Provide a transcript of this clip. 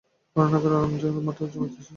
বরাহনগর ও আলমবাজার মঠে যাতায়াত করিতেন।